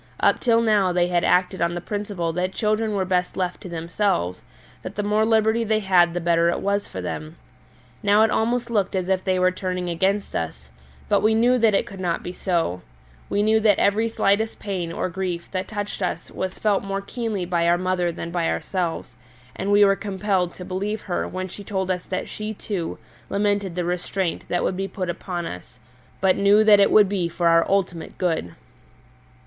Up till now they had acted on the principle that children were best left to themselves, that the more liberty they had the better it was for them. Now it almost looked as if they were turning against us; but we knew that it could not be so we knew that every slightest pain or grief that touched us was felt more keenly by our mother than by ourselves, and we were compelled to believe her when she told us that she, too, lamented the restraint that would be put upon us, but knew that it would be for our ultimate good.